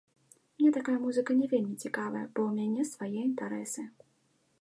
Мне такая музыка не вельмі цікавая, бо ў мяне свае інтарэсы.